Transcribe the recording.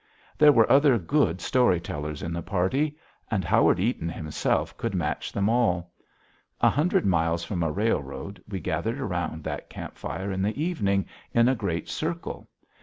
There were other good story tellers in the party. And Howard Eaton himself could match them all. A hundred miles from a railroad, we gathered around that camp fire in the evening in a great circle.